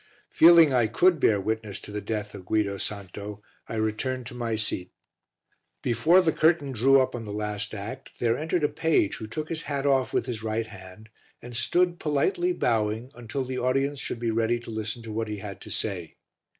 Feeling I could bear to witness the death of Guido Santo, I returned to my seat. Before the curtain drew up on the last act there entered a page who took his hat off with his right hand and stood politely bowing until the audience should be ready to listen to what he had to say.